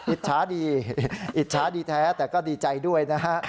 อิจฉาดีแต่ก็ดีใจด้วยนะฮะ